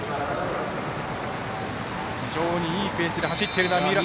非常にいいペースで走っている。